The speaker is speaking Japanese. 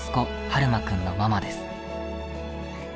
晴眞くんのママです。